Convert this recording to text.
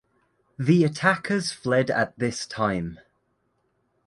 The attackers fled at this time.